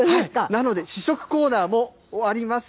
なので試食コーナーもあります。